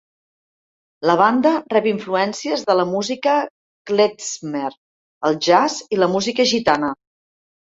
La banda rep influències de la música Klezmer, el jazz i la música gitana.